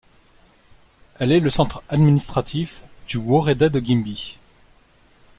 Elle est le centre administratif du woreda de Gimbi.